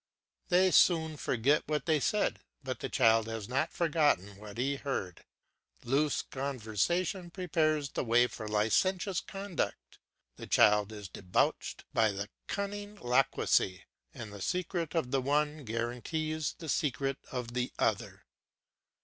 They soon forget what they said, but the child has not forgotten what he heard. Loose conversation prepares the way for licentious conduct; the child is debauched by the cunning lacquey, and the secret of the one guarantees the secret of the other.